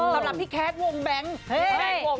สำหรับพี่แคทดวงแบงค์วง